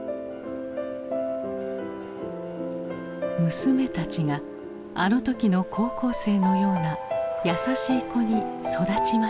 娘たちがあの時の高校生のようなやさしい子に育ちますように。